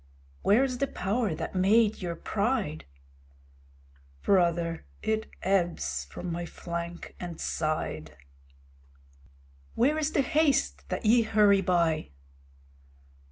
Where is the power that made your pride? Brother, it ebbs from my flank and side. Where is the haste that ye hurry by?